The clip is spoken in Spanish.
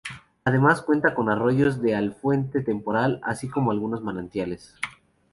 Además cuenta con arroyos de afluente temporal; así como algunos manantiales.